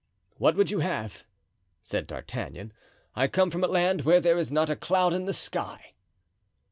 "What would you have?" said D'Artagnan. "I come from a land where there is not a cloud in the sky."